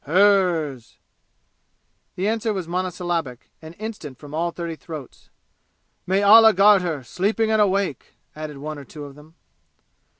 "Hers!" The answer was monosyllabic and instant from all thirty throats. "May Allah guard her, sleeping and awake!" added one or two of them.